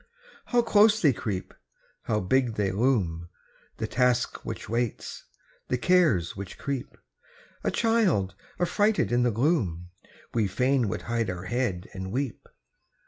How close they creep! How big they loom! The Task which waits, the Cares which creep; A child, affrighted in the gloom, We fain would hide our head and weep.